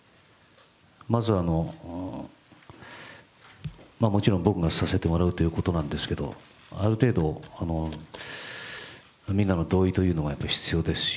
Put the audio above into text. まずはもちろん僕がさせてもらうということなんですけれども、ある程度、みんなの同意が必要ですし、